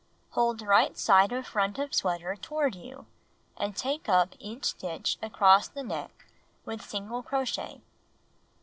Hold right side of front of sweater toward you, and take up each stitch across the neck with single crochet.